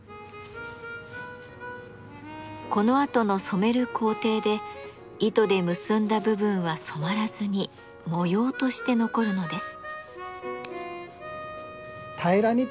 このあとの染める工程で糸で結んだ部分は染まらずに模様として残るのです。